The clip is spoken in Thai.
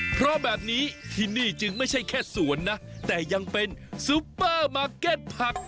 เพราะแบบนี้ที่นี่จึงไม่ใช่แค่สวนนะแต่ยังเป็นซุปเปอร์มาร์เก็ตผัก